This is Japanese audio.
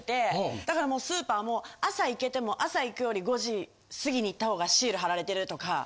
だからもうスーパーも朝行けても朝行くより５時過ぎに行った方がシール貼られてるとか。